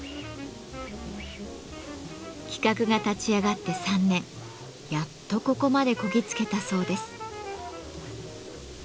企画が立ち上がって３年やっとここまでこぎ着けたそうです。